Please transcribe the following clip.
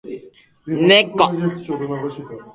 ねこ